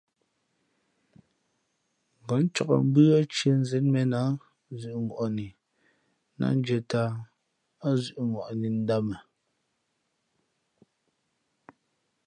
Ngα̌ ncāk mbʉ́ά tiēzēn mēn a zʉ̌ʼŋwαʼni nά ndʉ̄ᾱ tāā ά zʉʼ ŋwαʼni ndāmα.